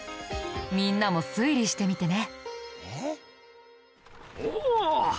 みんなも推理してみてね。